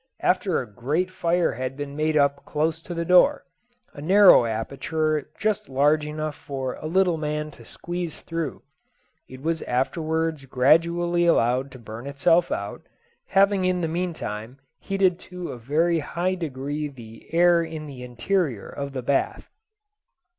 After a great fire had been made up close to the door a narrow aperture just large enough for a little man to squeeze through it was afterwards gradually allowed to burn itself out, having in the meantime heated to a very high degree the air in the interior of the bath.